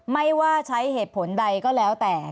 ไม่ว่าใช้เหตุผลใดก็แล้วแต่